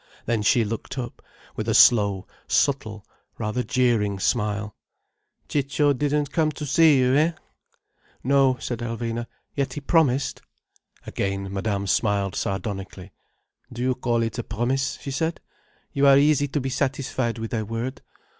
Then she looked up, with a slow, subtle, rather jeering smile. "Ciccio didn't come to see you, hein?" "No," said Alvina. "Yet he promised." Again Madame smiled sardonically. "Do you call it a promise?" she said. "You are easy to be satisfied with a word.